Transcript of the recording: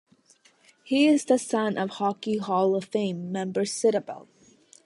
He is the son of Hockey Hall of Fame member Sid Abel.